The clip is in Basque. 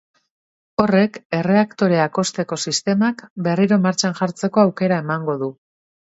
Horrek erreaktoreak hozteko sistemak berriro martxan jartzeko aukera emango du.